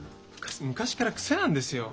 昔から癖なんですよ。